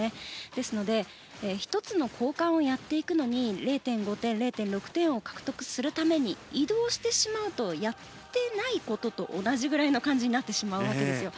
ですので１つの交換をやっていくのに０．５点、０．６点を獲得するために移動してしまうとやっていないことと同じくらいの感じになってしまうわけですよ。